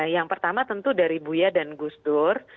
yang pertama tentu dari buya dan gus dur